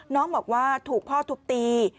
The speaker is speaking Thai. น้องบอกว่าถูกพ่อทุบตี